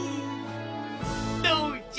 どうじゃ？